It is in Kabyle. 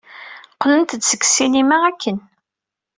Qqlent-d seg ssinima akken.